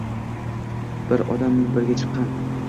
Bir odam minbarga chiqiqqan.